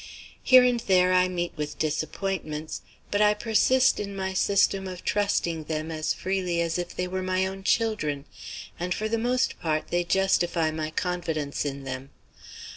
Here and there I meet with disappointments. But I persist in my system of trusting them as freely as if they were my own children; and, for the most part, they justify my confidence in them.